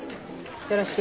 よろしく。